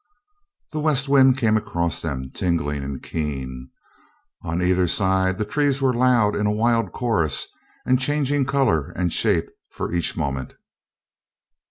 The west wind came across them, tingling and keen. On either side the trees were loud in a wild chorus and changing color and shape for each mo ment.